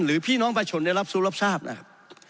หรือพี่น้องประชรในรับสูตรรับทราบนะ